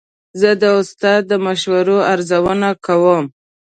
زه د استاد د مشورو ارزونه کوم.